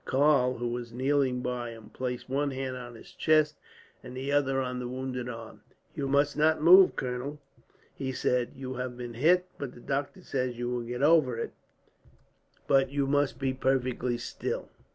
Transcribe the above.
Karl, who was kneeling by him, placed one hand on his chest and the other on the wounded arm. "You must not move, colonel," he said. "You have been hit, but the doctor says you will get over it; but you must lie perfectly still."